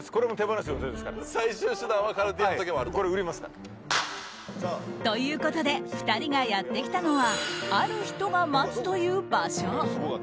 最終手段はということで２人がやってきたのはある人が待つという場所。